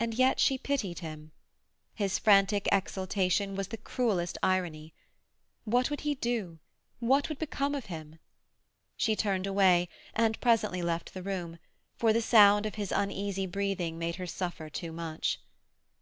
And yet she pitied him. His frantic exultation was the cruelest irony. What would he do? What would become of him? She turned away, and presently left the room, for the sound of his uneasy breathing made her suffer too much.